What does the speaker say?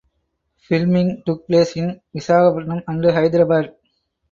Filming took place in Visakhapatnam and Hyderabad.